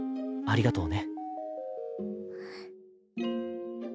ありがとう。